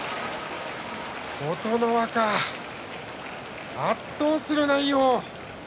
琴ノ若、圧倒する内容。